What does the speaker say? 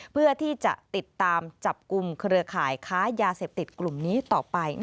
เพื่อที่จะติดตามจับกลุ่มเครือข่ายค้ายาเสพติดกลุ่มนี้ต่อไป